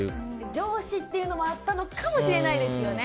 上司っていうのもあったのかもしれないですよね。